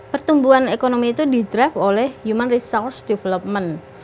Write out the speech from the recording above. pertumbuhan ekonomi itu didrive oleh human resource development